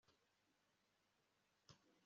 hifashishijwe ibikorwa byabo byiza